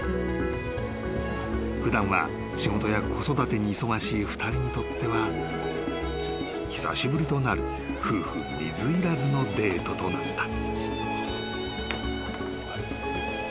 ［普段は仕事や子育てに忙しい２人にとっては久しぶりとなる夫婦水入らずのデートとなった］